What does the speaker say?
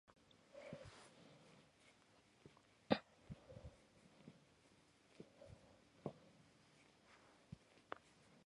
Whether medical cost savings occur with treatment of sleep apnea remains to be determined.